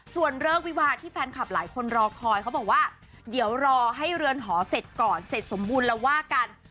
ส่วนเลิกวิวาที่แฟนคลับหลายคนรอคอยเขาบอกว่าเดี๋ยวรอให้เรือนหอเสร็จก่อนเสร็จสมบูรณ์แล้วว่ากัน